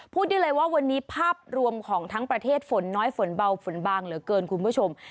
พูดได้เลยว่าวันนี้ภาพรวมของทั้งประเทศฝนน้อยฝนเบาฝนบางเหลือเกินคุณผู้ชม